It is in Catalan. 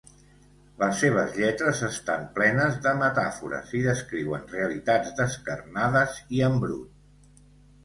Les seves lletres estan plenes de metàfores i descriuen realitats descarnades i en brut.